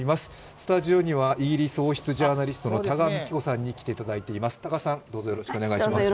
スタジオにはイギリス王室ジャーナリストの多賀幹子さんに来ていただいています。